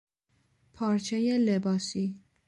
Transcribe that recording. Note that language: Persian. پارچهی لباسی